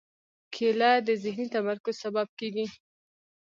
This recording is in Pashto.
کېله د ذهني تمرکز سبب کېږي.